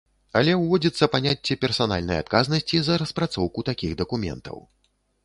Але ўводзіцца паняцце персанальнай адказнасці за распрацоўку такіх дакументаў.